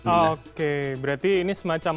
oke berarti ini semacam